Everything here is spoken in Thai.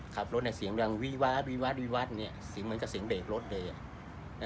ครับขับรถเนี้ยเสียงดังวี่วาดวี่วาดวี่วาดเนี้ยเสียงเหมือนกับเสียงเด็กรถเลยอ่ะ